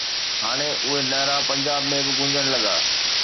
هاڻي اهي نعرا پنجاب ۾ به گونجڻ لڳا